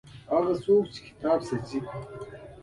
هغه څوک چې کتاب سوځوي.